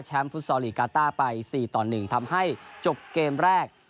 ฟุตซอลลีกกาต้าไป๔ต่อ๑ทำให้จบเกมแรก